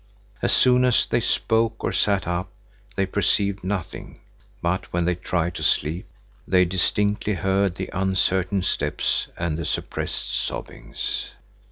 As soon as they spoke or sat up, they perceived nothing; but when they tried to sleep, they distinctly heard the uncertain steps and the suppressed sobbings.